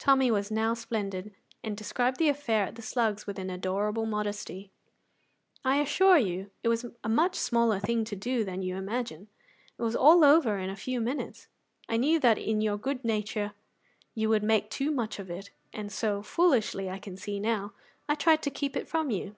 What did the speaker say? Tommy was now splendid, and described the affair at the Slugs with an adorable modesty. "I assure you, it was a much smaller thing to do than you imagine; it was all over in a few minutes; I knew that in your good nature you would make too much of it, and so foolishly, I can see now I tried to keep it from you.